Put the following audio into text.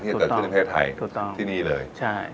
ที่จะเกิดขึ้นในเทศไทยที่นี่เลยถูกต้องใช่